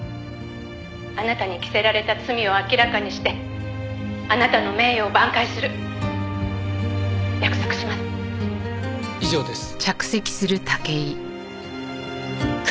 「あなたに着せられた罪を明らかにしてあなたの名誉を挽回する」「約束します」以上です。